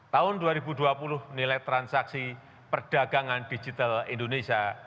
tahun dua ribu dua puluh nilai transaksi perdagangan digital indonesia